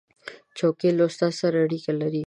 چوکۍ له استاد سره اړیکه لري.